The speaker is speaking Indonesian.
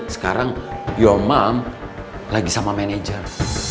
sekarang your mom lagi sama manajer